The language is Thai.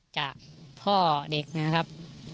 จากพ่อเด็กนะครับ